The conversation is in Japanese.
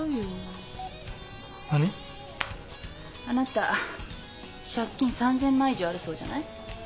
あなた借金３，０００万円以上あるそうじゃない？